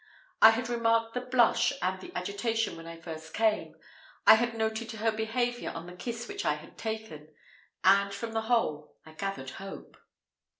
I had remarked the blush and the agitation when first I came; I had noted her behaviour on the kiss which I had taken; and from the whole I gathered hope.